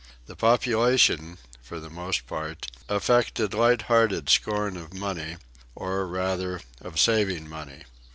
The population, for the most part, affected light hearted scorn of money, or, rather, of saving money.